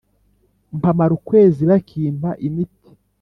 mpamara ukwezi bakimpa imiti